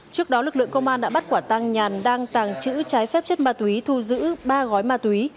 trước đó lực lượng công an đã bắt quả tăng nhàn đang tàng trữ trái phép chất ma túy thu giữ ba gói ma túy